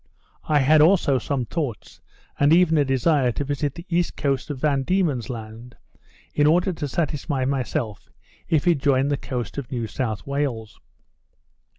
I had also some thoughts, and even a desire to visit the east coast of Van Diemen's Land, in order to satisfy myself if it joined the coast of New South Wales.